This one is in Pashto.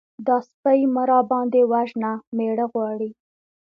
_دا سپۍ مه راباندې وژنه! مېړه غواړي.